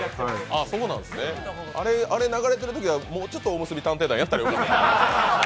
あれ流れているときは、もうちょっと「おむすび探偵団」やったらよかった。